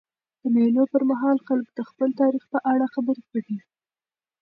د مېلو پر مهال خلک د خپل تاریخ په اړه خبري کوي.